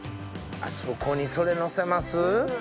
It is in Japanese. そこにそれのせます？